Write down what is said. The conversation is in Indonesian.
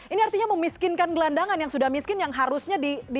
ini artinya memiskinkan gelandangan yang sudah miskin yang harusnya di